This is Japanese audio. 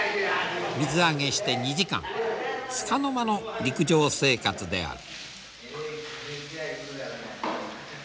水揚げして２時間つかの間の陸上生活である。